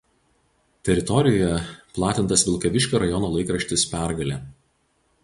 Teritorijoje platintas Vilkaviškio rajono laikraštis „Pergalė“.